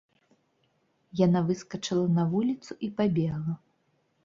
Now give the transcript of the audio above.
Яна выскачыла на вуліцу і пабегла.